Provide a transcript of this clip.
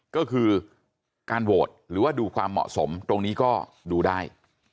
ก็คือการโหวตหรือว่าดูความเหมาะสมตรงนี้ก็ดูได้